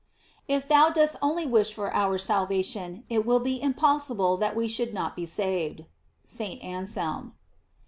If thou dost only wish for our salvation, it will be impossible that we should not be saved. — St. Anselm.